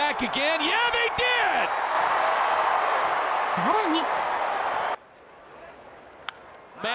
更に。